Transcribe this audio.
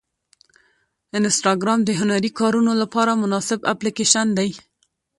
انسټاګرام د هنري کارونو لپاره مناسب اپلیکیشن دی.